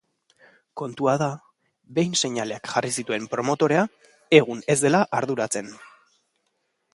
Kontua da, behin seinaleak jarri zituen promotorea, egun ez dela arduratzen.